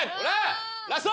・ラスト！